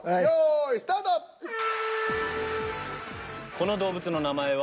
この動物の名前は？